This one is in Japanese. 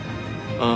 ああ。